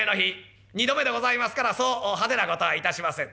二度目でございますからそう派手な事は致しません。